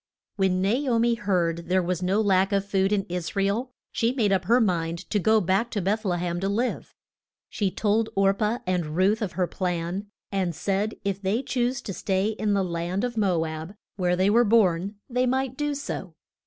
When Na o mi heard there was no lack of food in Is ra el, she made up her mind to go back to Beth le hem to live. She told Or pah and Ruth of her plan, and said if they choose to stay in the land of Mo ab, where they were born, they might do so.